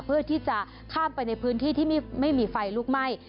เพื่อที่จะข้ามไปในพื้นที่ที่ไม่มีไฟลุกไหม้